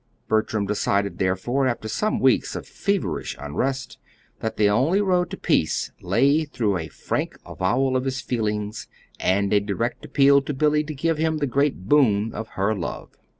Bertram decided, therefore, after some weeks of feverish unrest, that the only road to peace lay through a frank avowal of his feelings, and a direct appeal to Billy to give him the great boon of her love.